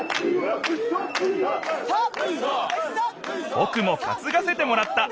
ぼくもかつがせてもらった。